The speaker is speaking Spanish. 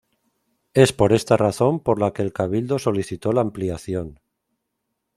Es por esta razón por la que el Cabildo solicitó la ampliación.